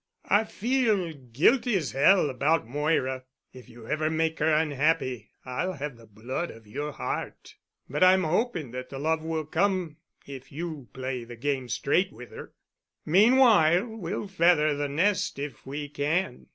"I feel guilty as Hell about Moira. If you ever make her unhappy I'll have the blood of your heart. But I'm hoping that the love will come if you play the game straight with her. "Meanwhile we'll feather the nest if we can.